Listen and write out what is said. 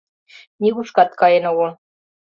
— Нигушкат каен огыл.